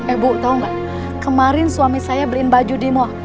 eh bu tau gak kemarin suami saya beliin baju demo